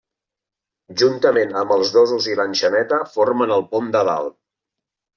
Juntament amb els dosos i l'enxaneta formen el pom de dalt.